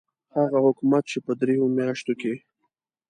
هغه حکومت چې په دریو میاشتو کې.